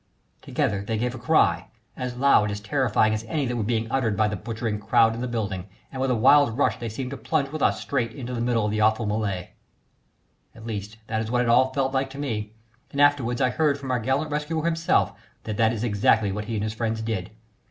Together they gave a cry as loud, as terrifying as any that were uttered by the butchering crowd in the building, and with a wild rush they seemed to plunge with us right into the thick of the awful mêlée. At least that is what it all felt like to me, and afterwards I heard from our gallant rescuer himself that that is exactly what he and his friends did.